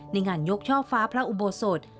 ในงานยกช่อฟ้าพระอุโบสถ